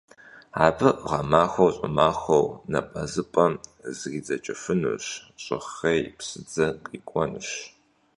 Абы гъэмахуэр щӀымахуэу напӀэзыпӀэм зридзэкӀыфынущ, щӀыхъей, псыдзэ кърикӀуэнущ.